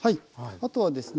あとはですね